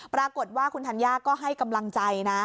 ปรากฏว่าคุณธัญญาก็ให้กำลังใจนะ